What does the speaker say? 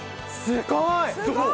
すごい！